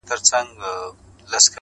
حيوان څه چي د انسان بلا د ځان دي؛